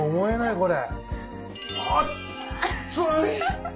これ。